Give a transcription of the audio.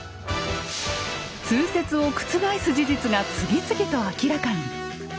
通説を覆す事実が次々と明らかに。